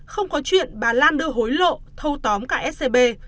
không có chuyện bà lan đưa hối lộ thâu tóm cả scb